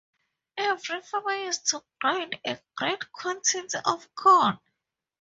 Every farmer used to grind a great quantity of corn.